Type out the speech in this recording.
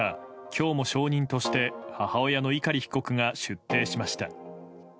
今日も証人として母親の碇被告が出廷しました。